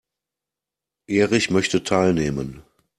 Erich möchte teilnehmen.